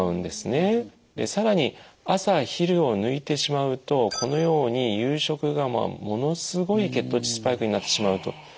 で更に朝昼を抜いてしまうとこのように夕食がものすごい血糖値スパイクになってしまうと。